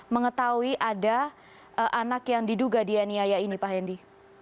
mengetahui ada anak yang diduga dianiaya ini pak hendy